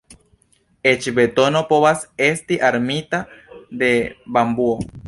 Eĉ betono povas esti armita de bambuo.